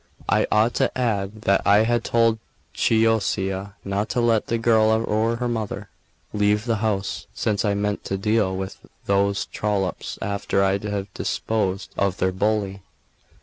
I ought to add that I had told Chioccia not to let the girl or her mother leave the house, since I meant to deal with those trollops after I had disposed of their bully.